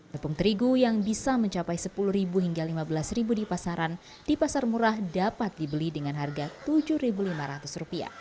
tepung terigu yang bisa mencapai rp sepuluh hingga rp lima belas di pasaran di pasar murah dapat dibeli dengan harga rp tujuh lima ratus